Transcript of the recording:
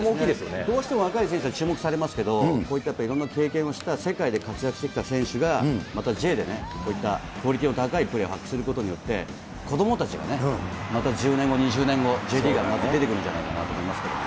どうしても若い選手は注目されますけど、経験をした、世界で活躍してきた選手がまたＪでね、こういったクオリティーの高いプレーを発揮することによって、子どもたちがね、また１０年後、２０年後、Ｊリーガーが出てくるんじゃないかと思いますね。